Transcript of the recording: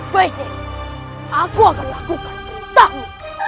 baik aku akan lakukan tahu